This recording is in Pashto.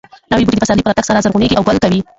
نوي بوټي د پسرلي په راتګ سره زرغونېږي او ګل کوي.